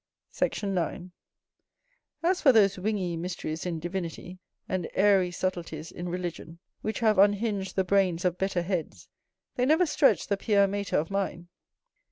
Sect. 9. As for those wingy mysteries in divinity, and airy subtleties in religion, which have unhinged the brains of better heads, they never stretched the pia mater of mine.